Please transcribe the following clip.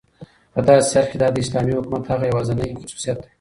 په داسي حال كې چې دا داسلامي حكومت هغه يوازينى خصوصيت دى